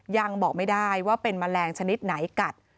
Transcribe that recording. ยังบอกไม่ได้ว่าเป็นแมลงชนิดไหนกัด